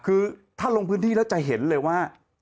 คือถ้าลงพื้นที่แล้วจะเห็นเลยว่า